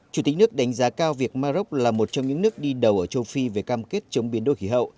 chủ tịch nước đánh giá cao việc maroc là một trong những nước đi đầu ở châu phi về cam kết chống biến đổi khí hậu